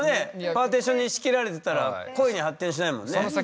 パーティションに仕切られてたら恋に発展しないもんね。